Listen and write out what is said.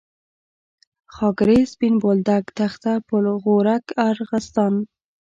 خاکریز، سپین بولدک، تخته پل، غورک، ارغستان.